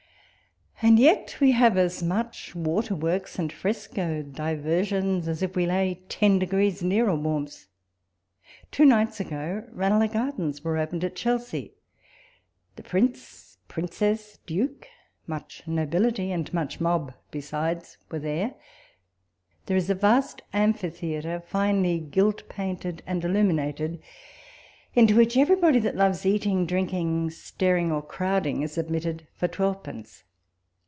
And yet we have as much waterworks and fresco diversions, as if we lay ten degrees nearer warmth. Two nights ago Ranelagh Gardens were opened at Chelsea ; the Prince, Princess, Duke, much nobility, and much mob besides, were there. There is a vast amphitheatre, finely gilt, painted, and illuminated, into which everybody that loves eating, drinking, staring, or crowding, is admitted for twelvepence.